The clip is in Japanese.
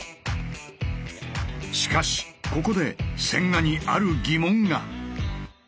しかしここで千賀にある疑問が。